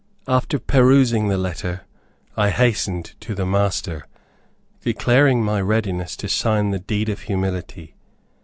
After perusing the letter, I hastened to the master, declaring my readiness to sign the "deed of humility."